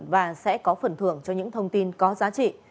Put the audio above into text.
và sẽ có phần thưởng cho những thông tin có giá trị